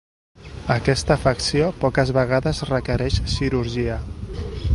Aquesta afecció, poques vegades requereix cirurgia.